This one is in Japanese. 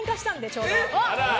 ちょうど。